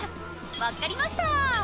「分かりました」